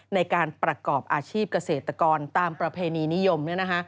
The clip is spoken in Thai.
ในการประกอบอาชีพเกษตรกรตามประเพณีนิยม